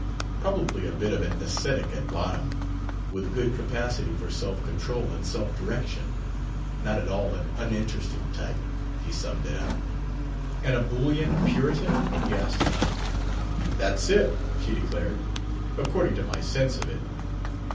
Probably a bit of an ascetic at bottom, with good capacity for self control and self direction. Not at all an uninteresting type," he summed it up. "An ebullient Puritan?" he asked aloud. "That's it," she declared, " according to my sense of it."